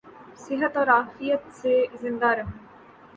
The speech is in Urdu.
صحت و عافیت سے زندہ رہوں